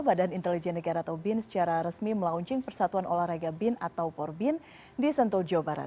badan intelijen negara atau bin secara resmi melaunching persatuan olahraga bin atau porbin di sentul jawa barat